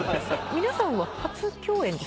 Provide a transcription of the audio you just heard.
皆さんは初共演ですか？